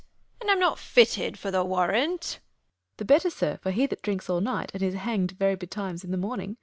And am not fitted for the warrant. Fool. The better, sir; for he that drinks all night, And is hang'd very betimes in the morning.